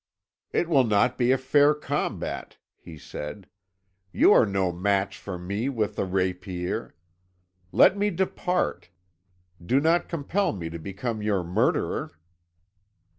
"'It will not be a fair combat,' he said. 'You are no match for me with the rapier. Let me depart. Do not compel me to become your murderer.'